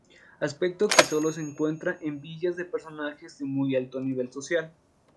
Aspecto que sólo se encuentra en villas de personajes de muy alto nivel social.